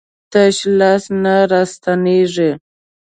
تش لاس نه راستنېږي.